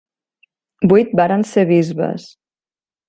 Vuit varen ser bisbes.